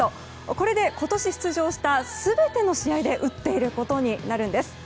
これで今年出場した全ての試合で打っていることになります。